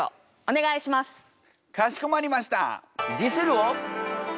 かしこまりました！